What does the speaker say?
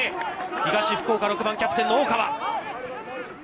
東福岡、６番キャプテンの大川。